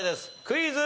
クイズ。